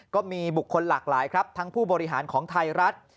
ก็มีบุคคลหลากหลายครับทั้งผู้บริหารของไทยรัฐ